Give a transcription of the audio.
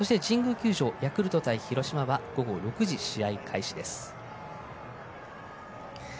そして、神宮球場ヤクルト対広島は午後６時試合開始です。